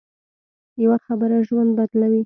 یوه خبره ژوند بدلوي